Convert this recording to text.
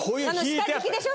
下敷きでしょ？